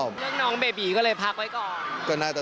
โดมเนี้ยบอกเลยว่าโอ้โห